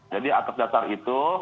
jadi atas dasar itu